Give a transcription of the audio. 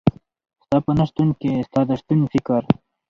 ستا په نشتون کي ستا د شتون فکر